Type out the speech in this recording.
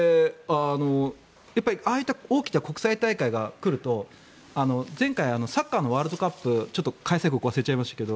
やっぱり、ああいった大きな国際大会が来ると前回、サッカーのワールドカップ開催国忘れちゃいましたが。